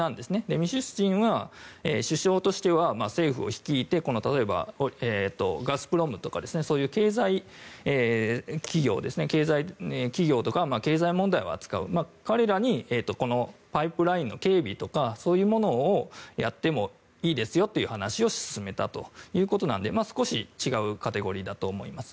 ミシュスチンは首相として政府を率いて例えば、ガスプロムとかそういう経済企業とか経済問題を扱う彼らにパイプラインの警備とかそういうものをやってもいいですよという話を進めたということなので少し違うカテゴリーだと思います。